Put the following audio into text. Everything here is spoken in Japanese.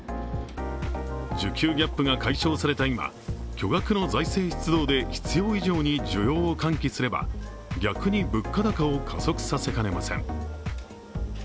需給ギャップが解消された今、巨額の財政出動で必要以上に需要を喚起すれば逆に物価高を加速させかねません。